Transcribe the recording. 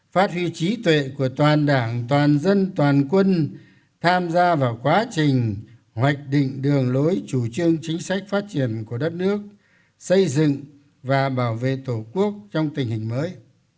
phát huy trí tuệ của toàn đảng toàn dân toàn quân tham gia vào quá trình hoạch định đường lối chủ trương chính sách phát triển của đất nước xây dựng và bảo vệ tổ quốc trong tình hình mới